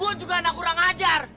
gue juga anak kurang ajar